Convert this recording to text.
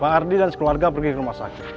bang ardi dan sekeluarga pergi ke rumah sakit